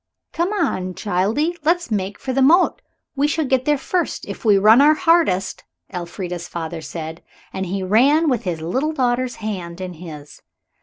"Come on, childie, let's make for the moat. We shall get there first, if we run our hardest," Elfrida's father said. And he ran, with his little daughter's hand in his.